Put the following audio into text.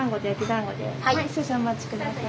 少々お待ち下さい。